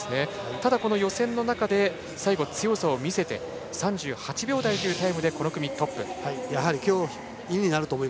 ただ、予選の中で強さを見せて３８秒台というタイムでこの組トップ。